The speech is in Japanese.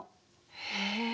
へえ！